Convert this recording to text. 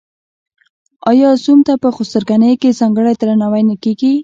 آیا زوم ته په خسرګنۍ کې ځانګړی درناوی نه کیږي؟